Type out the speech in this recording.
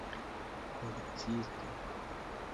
policisto